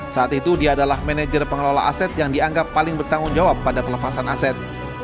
saat itu dia adalah manajer pengelola aset yang dianggap paling bertanggung jawab pada pelepasan aset